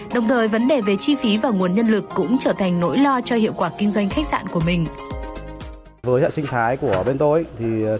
đồng thời vấn đề về chi phí và nguồn nhân lực cũng trở thành nỗi lo cho hiệu quả kinh doanh khách sạn của mình